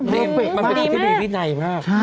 มันเป็นคนที่มีวินัยมากใช่มันดีแม่มาก